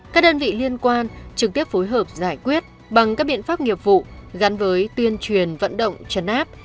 các đơn vị liên quan trực tiếp phối hợp giải quyết bằng các biện pháp nghiệp vụ gắn với tuyên truyền vận động chấn áp